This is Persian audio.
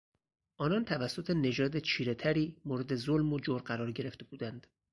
آنان توسط نژاد چیرهتری مورد ظلم و جور قرار گرفته بودند.